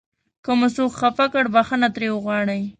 که مو څوک خفه کړ بښنه ترې وغواړئ.